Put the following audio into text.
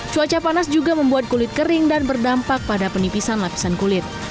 cuaca panas juga membuat kulit kering dan berdampak pada penipisan lapisan kulit